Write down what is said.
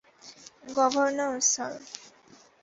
Governor, sir.